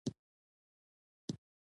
دلته د الکسندر مقدوني د لښکرو یادګارونه شته